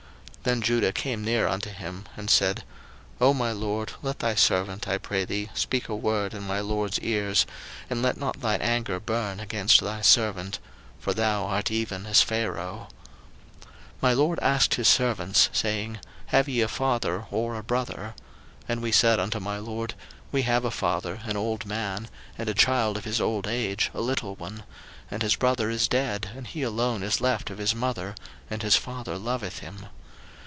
01:044:018 Then Judah came near unto him, and said, Oh my lord, let thy servant, I pray thee, speak a word in my lord's ears, and let not thine anger burn against thy servant: for thou art even as Pharaoh. 01:044:019 My lord asked his servants, saying, Have ye a father, or a brother? 01:044:020 And we said unto my lord, We have a father, an old man, and a child of his old age, a little one; and his brother is dead, and he alone is left of his mother, and his father loveth him.